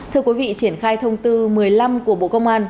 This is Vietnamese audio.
thưa quý vị triển khai thông tư một mươi năm của bộ công an